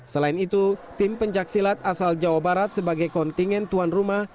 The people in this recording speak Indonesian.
selain itu tim pencaksilat asal jawa barat sebagai kontingen tuan rumah